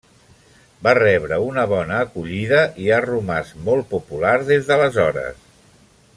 Va rebre una bona acollida i ha romàs molt popular des d'aleshores.